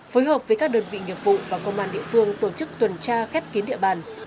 phối hợp với các đơn vị nghiệp vụ và công an địa phương tổ chức tuần tra khép kín địa bàn